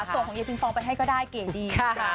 ส่งของเยพิงฟองไปให้ก็ได้เก๋ดี